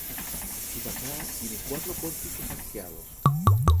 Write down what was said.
Su fachada tiene cuatro pórticos arqueados.